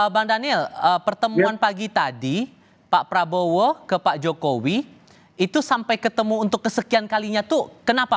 bang daniel pertemuan pagi tadi pak prabowo ke pak jokowi itu sampai ketemu untuk kesekian kalinya tuh kenapa